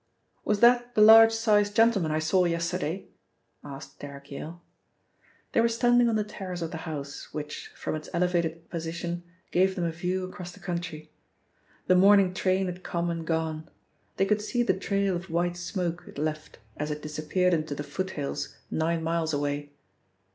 "Was that the large sized gentleman I saw yesterday?" asked Derrick Yale. They were standing on the terrace of the house, which, from its elevated position, gave them a view across the country. The morning train had come and gone. They could see the trail of white smoke it left as it disappeared into the foothills nine miles away.